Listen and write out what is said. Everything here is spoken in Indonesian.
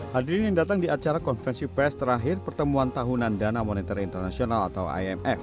hadirin yang datang di acara konferensi pers terakhir pertemuan tahunan dana monitor internasional atau imf